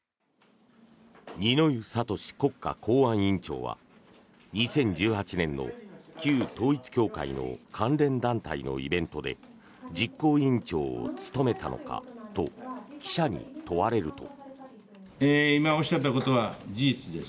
二之湯智国家公安委員長は２０１８年の旧統一教会の関連団体のイベントで実行委員長を務めたのか？と記者に問われると。